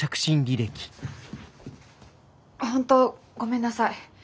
本当ごめんなさい。